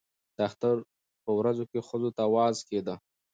د اختر په ورځو کې ښځو ته وعظ کېده.